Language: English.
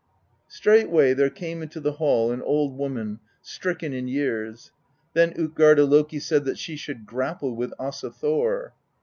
Straightway there came into the hall an old woman, stricken in years. Then tJtgarda Loki said that she should grapple with Asa Thor.